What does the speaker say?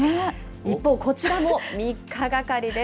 一方、こちらも３日がかりです。